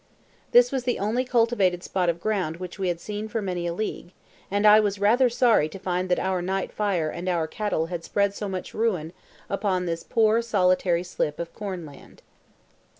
This was the only cultivated spot of ground which we had seen for many a league, and I was rather sorry to find that our night fire and our cattle had spread so much ruin upon this poor solitary slip of corn land.